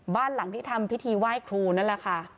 บ้านหลังที่ทำพิธีไหว้ครูนั่นแหละค่ะ